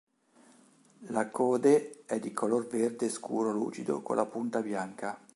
La code è di color verde scuro lucido con la punta bianca.